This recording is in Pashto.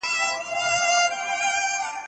هغه خپل ټول دوستان له لاسه ورکړل.